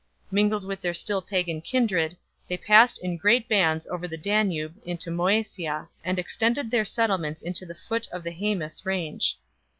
Mingled with their still pagan kindred they passed in great bands over the Danube into Moesia, and extended their settlements to the foot of the Haemus range.